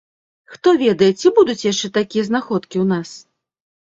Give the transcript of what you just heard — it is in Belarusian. Хто ведае, ці будуць яшчэ такія знаходкі ў нас?